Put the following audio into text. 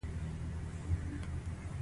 رسۍ د زاړه وخت یو اړین وسیله ده.